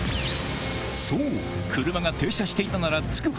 そう！